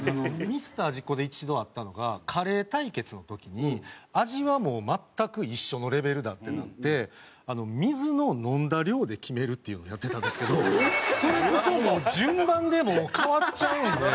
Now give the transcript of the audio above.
『ミスター味っ子』で一度あったのがカレー対決の時に味はもう全く一緒のレベルだってなって水の飲んだ量で決めるっていうのやってたんですけどそれこそ順番でもう変わっちゃうんで。